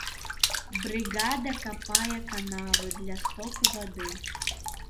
Брыгада капае канавы для стоку вады.